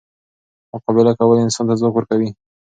مقابله کول انسان ته ځواک ورکوي.